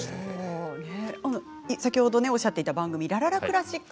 先ほどおっしゃっていた番組「らららクラシック」